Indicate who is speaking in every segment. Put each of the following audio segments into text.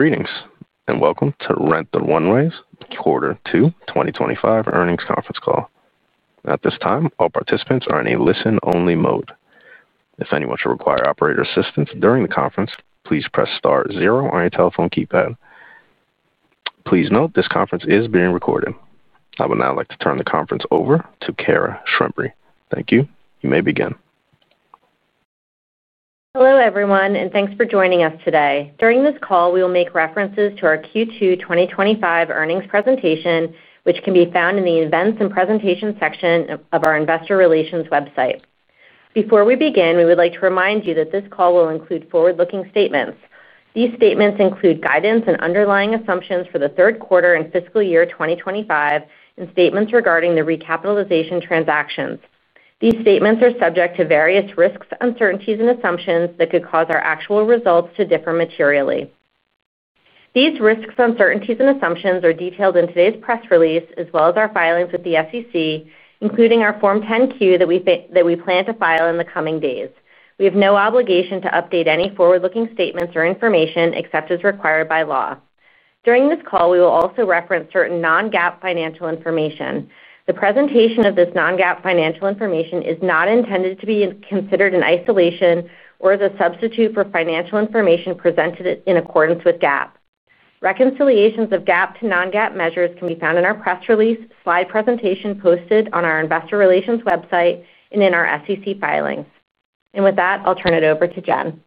Speaker 1: Greetings and welcome to Rent the Runway's Quarter Two 2025 earnings conference call. At this time, all participants are in a listen-only mode. If anyone should require operator assistance during the conference, please press star zero on your telephone keypad. Please note this conference is being recorded. I would now like to turn the conference over to Cara Schembri. Thank you. You may begin.
Speaker 2: Hello everyone, and thanks for joining us today. During this call, we will make references to our Q2 2025 earnings presentation, which can be found in the Events and Presentations section of our Investor Relations website. Before we begin, we would like to remind you that this call will include forward-looking statements. These statements include guidance and underlying assumptions for the third quarter in fiscal year 2025 and statements regarding the recapitalization transactions. These statements are subject to various risks, uncertainties, and assumptions that could cause our actual results to differ materially. These risks, uncertainties, and assumptions are detailed in today's press release, as well as our filings with the SEC, including our Form 10-Q that we plan to file in the coming days. We have no obligation to update any forward-looking statements or information except as required by law. During this call, we will also reference certain non-GAAP financial information. The presentation of this non-GAAP financial information is not intended to be considered in isolation or as a substitute for financial information presented in accordance with GAAP. Reconciliations of GAAP to non-GAAP measures can be found in our press release, slide presentation posted on our Investor Relations website, and in our SEC filings. With that, I'll turn it over to Jen.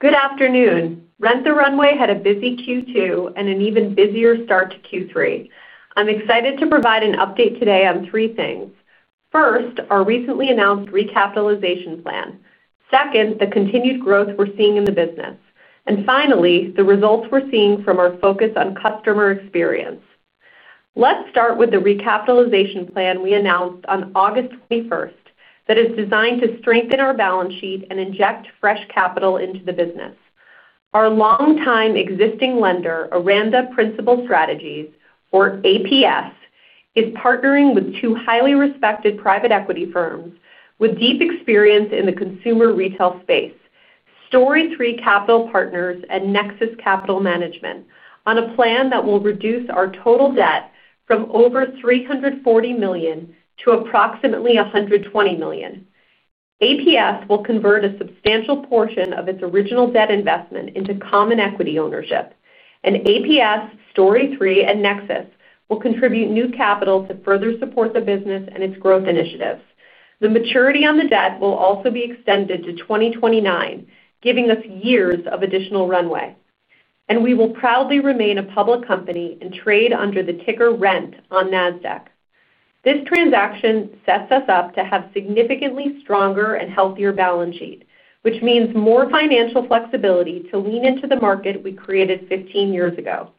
Speaker 3: Good afternoon. Rent the Runway had a busy Q2 and an even busier start to Q3. I'm excited to provide an update today on three things. First, our recently announced recapitalization plan. Second, the continued growth we're seeing in the business. Finally, the results we're seeing from our focus on customer experience. Let's start with the recapitalization plan we announced on August 21st that is designed to strengthen our balance sheet and inject fresh capital into the business. Our long-time existing lender, Aranda Principal Strategies, or APS, is partnering with two highly respected private equity firms with deep experience in the consumer retail space: StoryTree Capital Partners and Nexus Capital Management, on a plan that will reduce our total debt from over $340 million to approximately $120 million. APS will convert a substantial portion of its original debt investment into common equity ownership, and APS, StoryTree, and Nexus will contribute new capital to further support the business and its growth initiatives. The maturity on the debt will also be extended to 2029, giving us years of additional runway. We will proudly remain a public company and trade under the ticker RENT on NASDAQ. This transaction sets us up to have a significantly stronger and healthier balance sheet, which means more financial flexibility to lean into the market we created 15 years ago.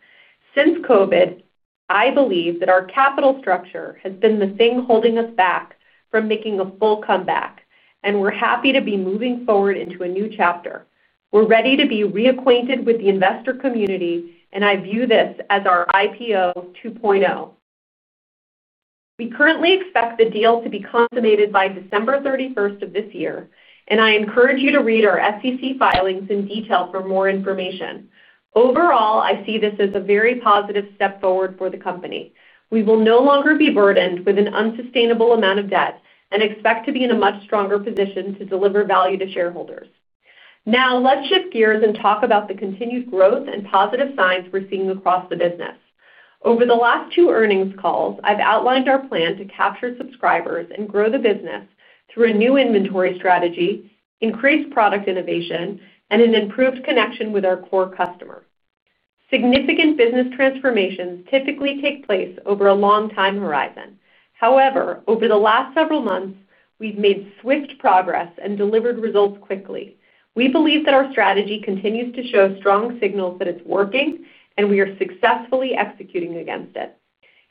Speaker 3: Since COVID, I believe that our capital structure has been the thing holding us back from making a full comeback, and we're happy to be moving forward into a new chapter. We're ready to be reacquainted with the investor community, and I view this as our IPO 2.0. We currently expect the deal to be consummated by December 31st of this year, and I encourage you to read our SEC filings in detail for more information. Overall, I see this as a very positive step forward for the company. We will no longer be burdened with an unsustainable amount of debt and expect to be in a much stronger position to deliver value to shareholders. Now, let's shift gears and talk about the continued growth and positive signs we're seeing across the business. Over the last two earnings calls, I've outlined our plan to capture subscribers and grow the business through a new inventory strategy, increased product innovation, and an improved connection with our core customer. Significant business transformations typically take place over a long time horizon. However, over the last several months, we've made swift progress and delivered results quickly. We believe that our strategy continues to show strong signals that it's working, and we are successfully executing against it.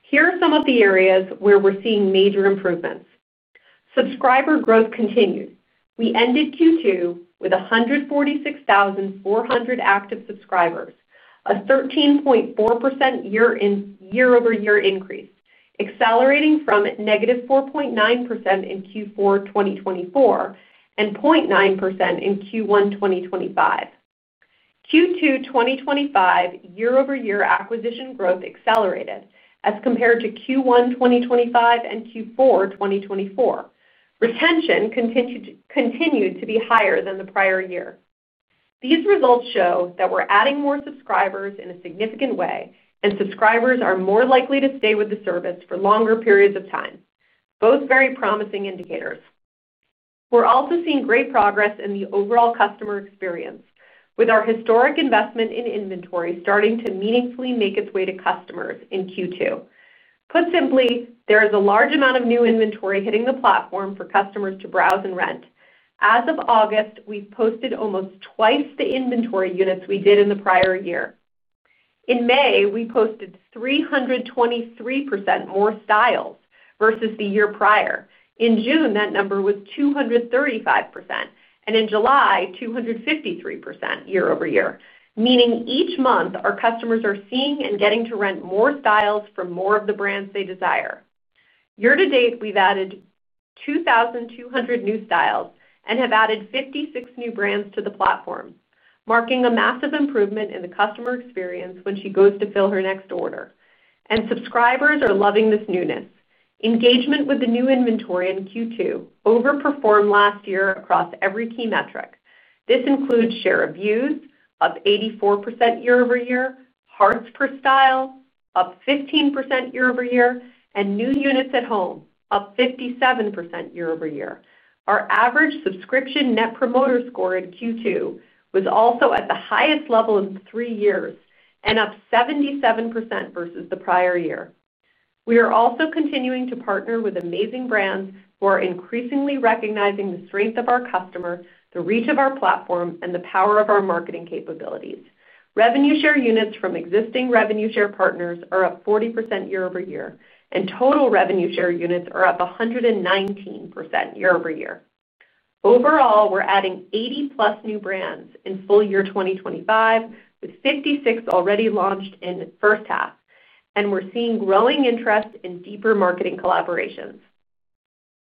Speaker 3: Here are some of the areas where we're seeing major improvements. Subscriber growth continues. We ended Q2 with 146,400 active subscribers, a 13.4% year-over-year increase, accelerating from -4.9% in Q4 2024 and 0.9% in Q1 2025. Q2 2025 year-over-year acquisition growth accelerated as compared to Q1 2025 and Q4 2024. Retention continued to be higher than the prior year. These results show that we're adding more subscribers in a significant way, and subscribers are more likely to stay with the service for longer periods of time. Both very promising indicators. We're also seeing great progress in the overall customer experience, with our historic investment in inventory starting to meaningfully make its way to customers in Q2. Put simply, there is a large amount of new inventory hitting the platform for customers to browse and rent. As of August, we've posted almost twice the inventory units we did in the prior year. In May, we posted 323% more styles versus the year prior. In June, that number was 235%, and in July, 253% year-over-year, meaning each month our customers are seeing and getting to rent more styles from more of the brands they desire. Year to date, we've added 2,200 new styles and have added 56 new brands to the platform, marking a massive improvement in the customer experience when she goes to fill her next order. Subscribers are loving this newness. Engagement with the new inventory in Q2 overperformed last year across every key metric. This includes share of views up 84% year-over-year, hearts per style up 15% year-over-year, and new units at home up 57% year-over-year. Our average subscription net promoter score in Q2 was also at the highest level in three years and up 77% versus the prior year. We are also continuing to partner with amazing brands who are increasingly recognizing the strength of our customer, the reach of our platform, and the power of our marketing capabilities. Revenue share units from existing revenue share partners are up 40% year-over-year, and total revenue share units are up 119% year-over-year. Overall, we're adding 80 plus new brands in full year 2025, with 56 already launched in the first half, and we're seeing growing interest in deeper marketing collaborations.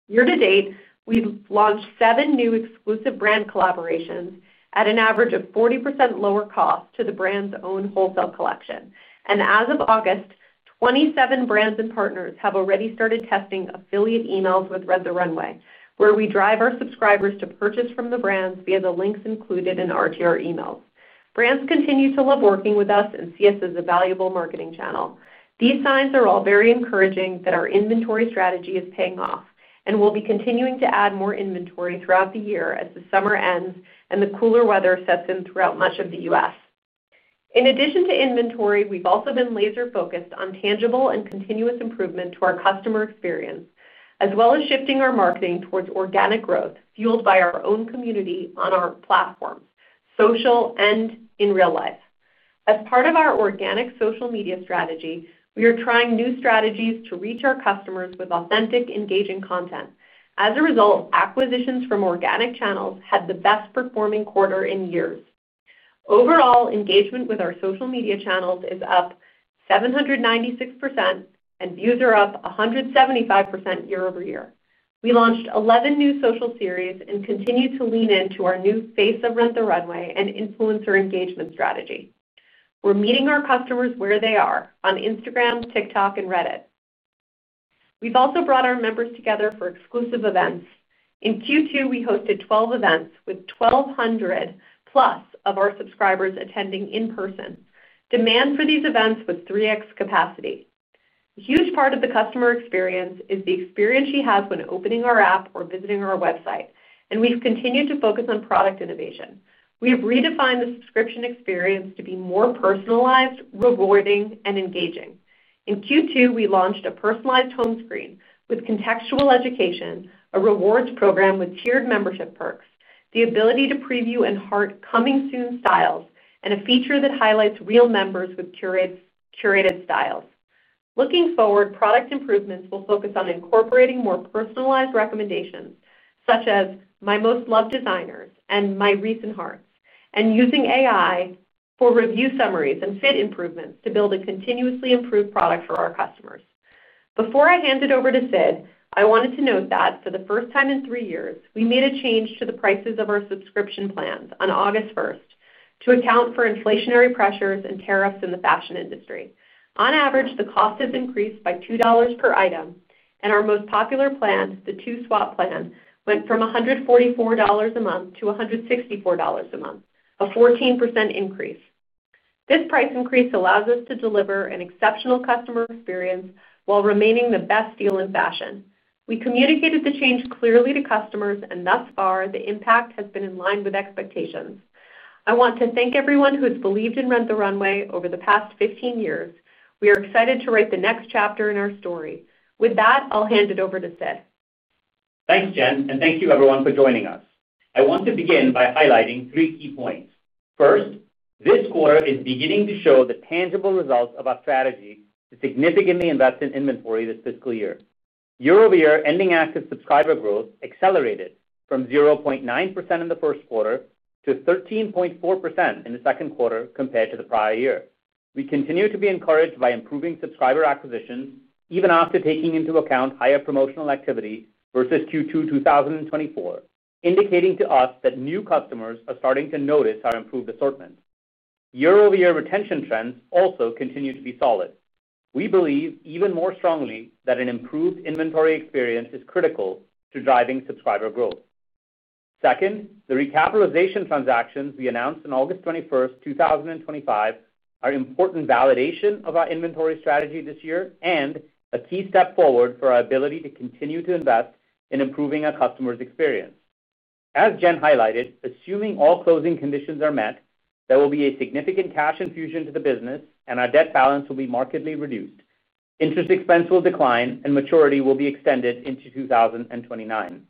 Speaker 3: Year to date, we've launched seven new exclusive brand collaborations at an average of 40% lower cost to the brand's own wholesale collection. As of August, 27 brands and partners have already started testing affiliate emails with Rent the Runway, where we drive our subscribers to purchase from the brands via the links included in RTR emails. Brands continue to love working with us and see us as a valuable marketing channel. These signs are all very encouraging that our inventory strategy is paying off, and we'll be continuing to add more inventory throughout the year as the summer ends and the cooler weather sets in throughout much of the U.S. In addition to inventory, we've also been laser-focused on tangible and continuous improvement to our customer experience, as well as shifting our marketing towards organic growth fueled by our own community on our platform, social, and in real life. As part of our organic social media strategy, we are trying new strategies to reach our customers with authentic, engaging content. As a result, acquisitions from organic channels had the best performing quarter in years. Overall, engagement with our social media channels is up 796%, and views are up 175% year-over-year. We launched 11 new social series and continue to lean into our new face of Rent the Runway and influencer engagement strategy. We're meeting our customers where they are on Instagram, TikTok, and Reddit. We've also brought our members together for exclusive events. In Q2, we hosted 12 events with 1,200 plus of our subscribers attending in person. Demand for these events was 3x capacity. A huge part of the customer experience is the experience she has when opening our app or visiting our website, and we've continued to focus on product innovation. We've redefined the subscription experience to be more personalized, rewarding, and engaging. In Q2, we launched a personalized home screen with contextual education, a rewards program with tiered membership perks, the ability to preview and heart coming soon styles, and a feature that highlights real members with curated styles. Looking forward, product improvements will focus on incorporating more personalized recommendations, such as my most loved designer and my recent hearts, and using AI for review summaries and fit improvements to build a continuously improved product for our customers. Before I hand it over to Sid, I wanted to note that for the first time in three years, we made a change to the prices of our subscription plans on August 1 to account for inflationary pressures and tariffs in the fashion industry. On average, the cost has increased by $2 per item, and our most popular plan, the 2-SWAP plan, went from $144 a month to $164 a month, a 14% increase. This price increase allows us to deliver an exceptional customer experience while remaining the best deal in fashion. We communicated the change clearly to customers, and thus far, the impact has been in line with expectations. I want to thank everyone who has believed in Rent the Runway over the past 15 years. We are excited to write the next chapter in our story. With that, I'll hand it over to Sid.
Speaker 4: Thanks, Jen, and thank you everyone for joining us. I want to begin by highlighting three key points. First, this quarter is beginning to show the tangible results of our strategy to significantly invest in inventory this fiscal year. Year-over-year ending active subscriber growth accelerated from 0.9% in the first quarter to 13.4% in the second quarter compared to the prior year. We continue to be encouraged by improving subscriber acquisitions, even after taking into account higher promotional activity versus Q2 2024, indicating to us that new customers are starting to notice our improved assortment. Year-over-year retention trends also continue to be solid. We believe even more strongly that an improved inventory experience is critical to driving subscriber growth. Second, the recapitalization transactions we announced on August 21, 2025, are important validation of our inventory strategy this year and a key step forward for our ability to continue to invest in improving our customers' experience. As Jen highlighted, assuming all closing conditions are met, there will be a significant cash infusion to the business, and our debt balance will be markedly reduced. Interest expense will decline, and maturity will be extended into 2029.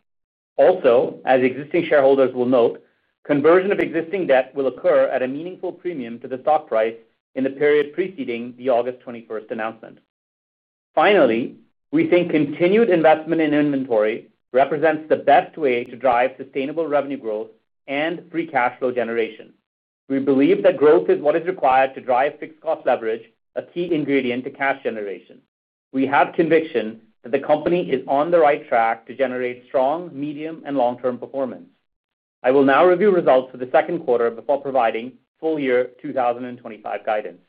Speaker 4: Also, as existing shareholders will note, conversion of existing debt will occur at a meaningful premium to the stock price in the period preceding the August 21 announcement. Finally, we think continued investment in inventory represents the best way to drive sustainable revenue growth and free cash flow generation. We believe that growth is what is required to drive fixed cost leverage, a key ingredient to cash generation. We have conviction that the company is on the right track to generate strong medium and long-term performance. I will now review results for the second quarter before providing full year 2025 guidance.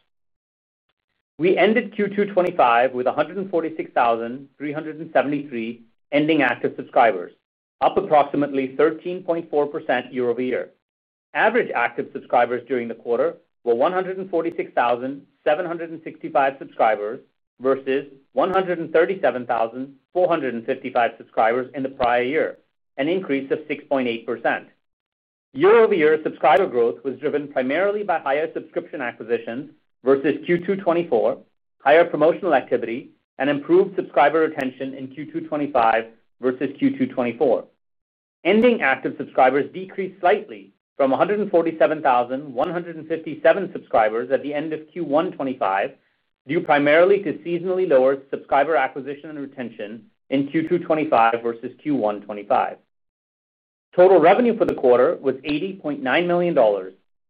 Speaker 4: We ended Q2 2025 with 146,373 ending active subscribers, up approximately 13.4% year-over-year. Average active subscribers during the quarter were 146,765 subscribers versus 137,455 subscribers in the prior year, an increase of 6.8%. Year-over-year subscriber growth was driven primarily by higher subscription acquisitions versus Q2 2024, higher promotional activity, and improved subscriber retention in Q2 2025 versus Q2 2024. Ending active subscribers decreased slightly from 147,157 subscribers at the end of Q1 2025, due primarily to seasonally lower subscriber acquisition and retention in Q2 2025 versus Q1 2025. Total revenue for the quarter was $80.9 million,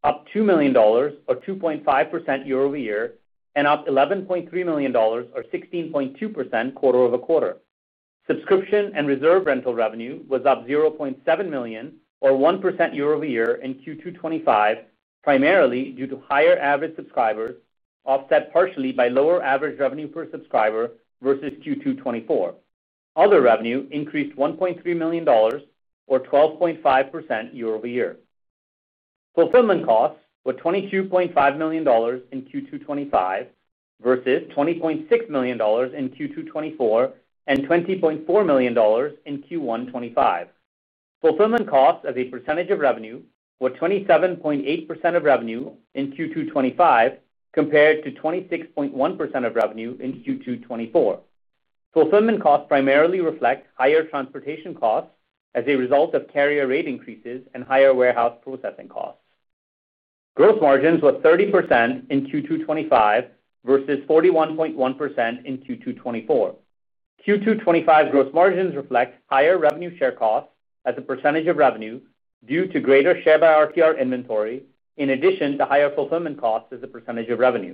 Speaker 4: up $2 million, or 2.5% year-over-year, and up $11.3 million, or 16.2% quarter over quarter. Subscription and Reserve rental revenue was up $0.7 million, or 1% year-over-year in Q2 2025, primarily due to higher average subscribers, offset partially by lower average revenue per subscriber versus Q2 2024. Other revenue increased $1.3 million, or 12.5% year-over-year. Fulfillment costs were $22.5 million in Q2 2025 versus $20.6 million in Q2 2024 and $20.4 million in Q1 2025. Fulfillment costs as a percentage of revenue were 27.8% of revenue in Q2 2025 compared to 26.1% of revenue in Q2 2024. Fulfillment costs primarily reflect higher transportation costs as a result of carrier rate increases and higher warehouse processing costs. Gross margins were 30% in Q2 2025 versus 41.1% in Q2 2024. Q2 2025 gross margins reflect higher revenue share costs as a percentage of revenue due to greater share by Rent the Runway inventory, in addition to higher fulfillment costs as a percentage of revenue.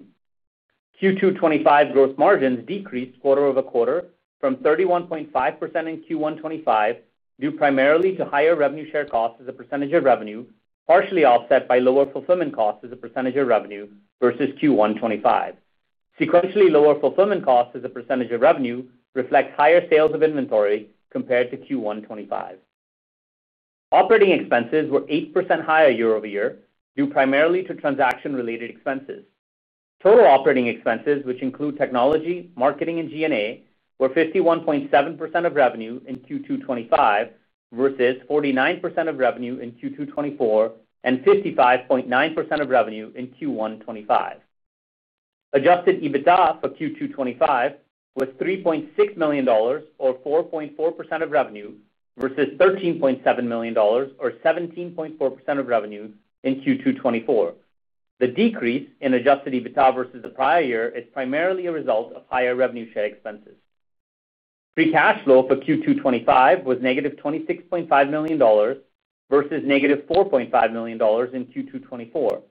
Speaker 4: Q2 2025 gross margins decreased quarter over quarter from 31.5% in Q1 2025, due primarily to higher revenue share costs as a percentage of revenue, partially offset by lower fulfillment costs as a percentage of revenue versus Q1 2025. Sequentially lower fulfillment costs as a percentage of revenue reflect higher sales of inventory compared to Q1 2025. Operating expenses were 8% higher year-over-year, due primarily to transaction-related expenses. Total operating expenses, which include technology, marketing, and G&A, were 51.7% of revenue in Q2 2025 versus 49% of revenue in Q2 2024 and 55.9% of revenue in Q1 2025. Adjusted EBITDA for Q2 2025 was $3.6 million, or 4.4% of revenue versus $13.7 million, or 17.4% of revenue in Q2 2024. The decrease in adjusted EBITDA versus the prior year is primarily a result of higher revenue share expenses. Free cash flow for Q2 2025 was negative $26.5 million versus negative $4.5 million in Q2 2024.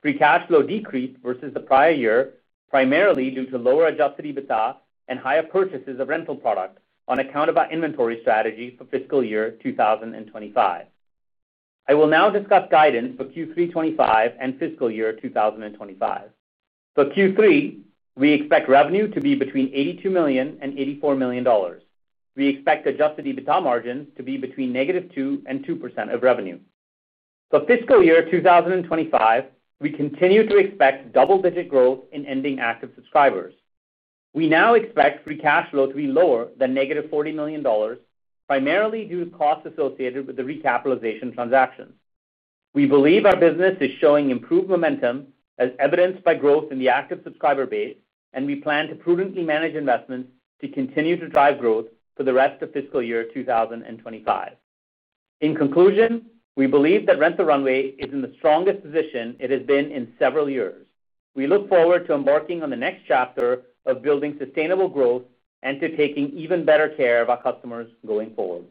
Speaker 4: Free cash flow decreased versus the prior year, primarily due to lower adjusted EBITDA and higher purchases of rental product on account of our inventory strategy for fiscal year 2025. I will now discuss guidance for Q3 2025 and fiscal year 2025. For Q3, we expect revenue to be between $82 million and $84 million. We expect adjusted EBITDA margins to be between negative 2% and 2% of revenue. For fiscal year 2025, we continue to expect double-digit growth in ending active subscribers. We now expect free cash flow to be lower than negative $40 million, primarily due to costs associated with the recapitalization transaction. We believe our business is showing improved momentum as evidenced by growth in the active subscriber base, and we plan to prudently manage investments to continue to drive growth for the rest of fiscal year 2025. In conclusion, we believe that Rent the Runway is in the strongest position it has been in several years. We look forward to embarking on the next chapter of building sustainable growth and to taking even better care of our customers going forward.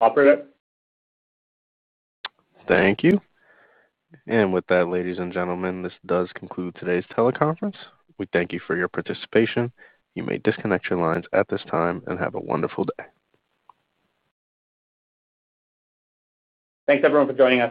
Speaker 4: Operator.
Speaker 1: Thank you. With that, ladies and gentlemen, this does conclude today's teleconference. We thank you for your participation. You may disconnect your lines at this time and have a wonderful day.
Speaker 4: Thanks everyone for joining us.